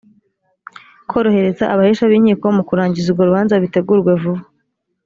korohereza abahesha b’inkiko mu kurangiza urwo rubanza bitegurwe vuba.